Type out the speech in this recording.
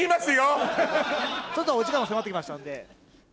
ちょっとお時間も迫ってきましたんで。